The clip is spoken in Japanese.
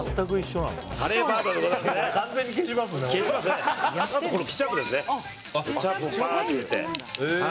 カレーパウダーでございますね。